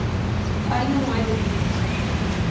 Aínda non hai detidos.